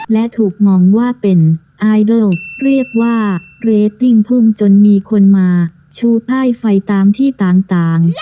และถูกมองว่าเป็นไอดอลเรียกว่าเรตติ้งพุ่งจนมีคนมาชูพ่ายไฟตามที่ต่าง